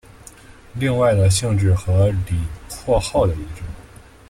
另外的性质和李括号的一致。